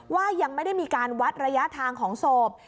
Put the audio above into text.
ว่ายังไม่ได้มีการวัดระยะทางของศพ